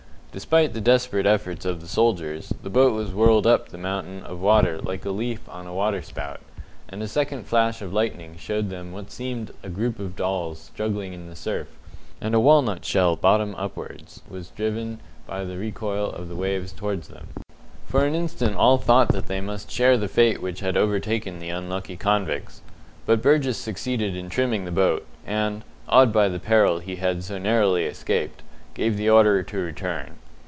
Despite the desperate efforts of the soldiers, the boat was whirled up the mountain of water like a leaf on a water spout, and a second flash of lightning showed them what seemed a group of dolls struggling in the surf, and a walnut shell bottom upwards was driven by the recoil of the waves towards them. For an instant all thought that they must share the fate which had overtaken the unlucky convicts; but Burgess succeeded in trimming the boat, and, awed by the peril he had so narrowly escaped, gave the order to return.